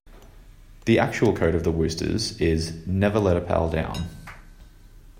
The actual code of the Woosters is Never let a pal down.